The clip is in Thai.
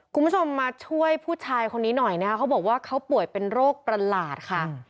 คุณผู้ชมมาช่วยผู้ชายคนนี้หน่อยนะคะเขาบอกว่าเขาป่วยเป็นโรคประหลาดค่ะ